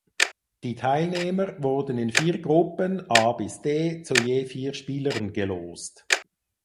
Die Teilnehmer wurden in vier Gruppen (A–D) zu je vier Spielern gelost.